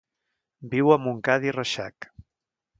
Viu a Montcada i Reixac.